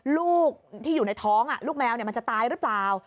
ลูกที่อยู่ในท้องลูกแมวมันจะตายหรือเปล่า